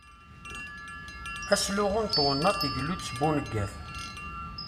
Asluɣu n twennaḍt igellu-d s buneggaf.